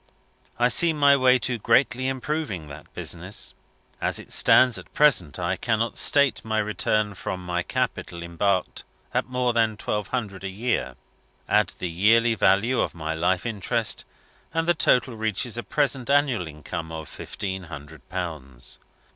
I see my way to greatly improving that business. As it stands at present, I cannot state my return from my capital embarked at more than twelve hundred a year. Add the yearly value of my life interest and the total reaches a present annual income of fifteen hundred pounds.